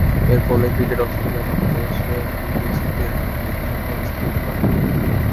এরই ফলে cricket Australia বাংলাদেশে দুই টেস্টের নির্ধারিত সফর স্থগিত করে।